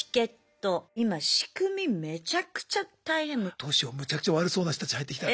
どうしようむちゃくちゃ悪そうな人たち入ってきたら。